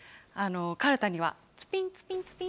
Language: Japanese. カルタには、ツピンツピンツピン。